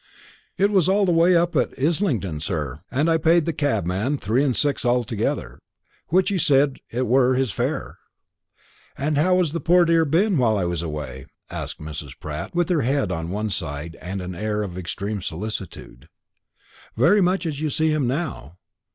"It was all the way up at Islington, sir, and I paid the cabman three and six altogether, which he said it were his fare. And how has the poor dear been while I was away?" asked Mrs. Pratt, with her head on one side and an air of extreme solicitude. "Very much as you see him now.